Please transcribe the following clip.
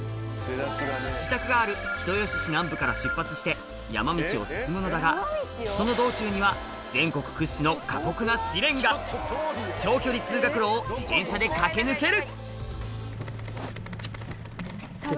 自宅がある人吉市南部から出発して山道を進むのだがその道中には長距離通学路を自転車で駆け抜ける！